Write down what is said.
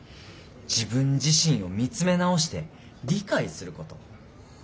自分自身を見つめ直して理解すること。